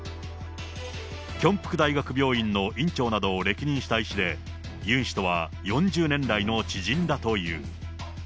慶北大学病院の院長などを歴任した医師で、ユン氏とは４０年来の知人だという。